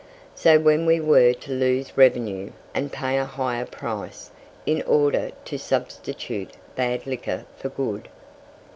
So then we were to lose revenue, and pay a higher price, in order to substitute bad liquor for good.